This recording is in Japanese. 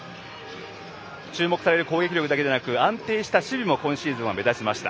注目される攻撃力だけでなく安定した守備も今シーズンは目立ちました。